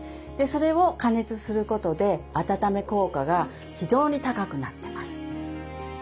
それを加熱することで温め効果が非常に高くなってます。